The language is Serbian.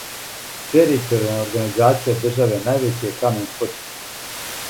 Територијална организација државе највећи је камен спотицања.